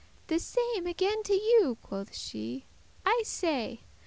"The same again to you," quoth she, "I say.